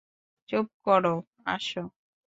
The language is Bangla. চুপ করো, আসো।